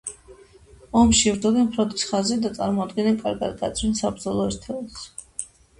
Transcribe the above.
ომში იბრძოდნენ ფრონტის ხაზზე და წარმოადგენდნენ კარგად გაწვრთნილ საბრძოლო ერთეულს.